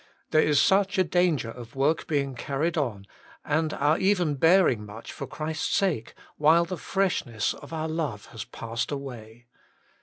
There is such a danger of work being carried on, and our even bearing much for Christ's sake, while the freshness of our love has passed away.